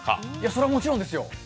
それはもちろんですよ！